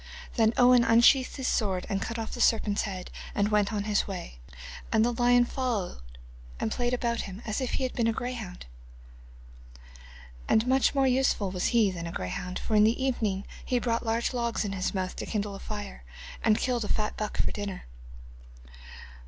Then Owen unsheathed his sword, and cut off the serpent's head and went on his way, and the lion followed and played about him, as if he had been a greyhound. And much more useful was he than a greyhound, for in the evening he brought large logs in his mouth to kindle a fire, and killed a fat buck for dinner.